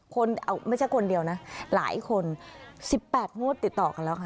ไม่ใช่คนเดียวนะหลายคน๑๘งวดติดต่อกันแล้วค่ะ